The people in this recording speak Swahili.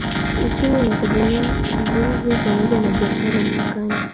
Uchumi unategemea uvuvi pamoja na biashara ya mpakani.